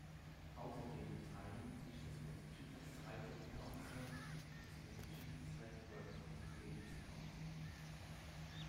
Außerdem beteiligen sich das Massachusetts High Tech Council und das Massachusetts Network Communications Council.